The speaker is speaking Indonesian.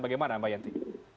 bagaimana mbak yanti